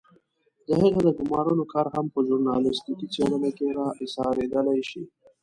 د هغې د ګمارلو کار هم په ژورنالستيکي څېړنه کې را اېسارېدلای شي.